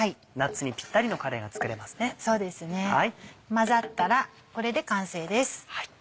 混ざったらこれで完成です。